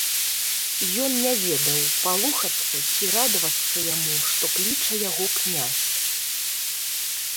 Ён не ведаў, палохацца ці радавацца яму, што кліча яго князь.